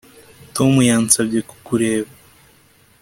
Tom yansabye kukureba